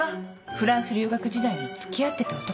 フランス留学時代に付き合ってた男がいた。